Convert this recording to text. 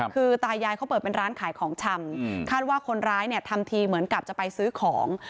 คือตายายเขาเปิดเป็นร้านขายของชำคาดว่าคนร้ายเนี่ยทำทีเหมือนกับจะไปซื้อของ